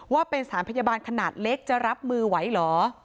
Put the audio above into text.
ว่าเป็นสถานพยาบาลขนาดเล็กจะรับมือไหวเหรอ